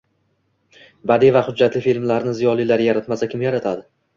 badiiy va hujjatli filmlarni ziyolilar yaratmasa kim yaratadi?